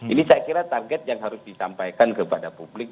ini saya kira target yang harus disampaikan kepada publik